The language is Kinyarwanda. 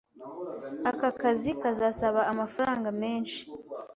Aka kazi kazasaba amafaranga menshi.